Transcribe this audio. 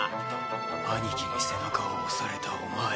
兄貴に背中を押されたお前。